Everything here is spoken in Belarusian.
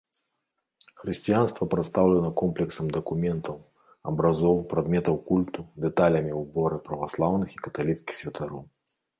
Хрысціянства прадстаўлена комплексам дакументаў, абразоў, прадметаў культу, дэталямі ўборы праваслаўных і каталіцкіх святароў.